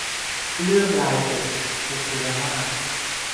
เลื่อมลายหงส์ - บุษยมาส